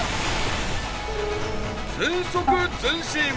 全速前進！